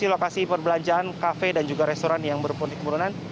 lokasi perbelanjaan kafe dan juga restoran yang berpundi kemurunan